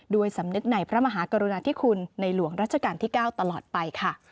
สำนึกในพระมหากรุณาธิคุณในหลวงรัชกาลที่๙ตลอดไปค่ะ